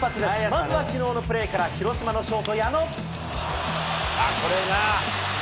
まずはきのうのプレーから、広島のショート、矢野。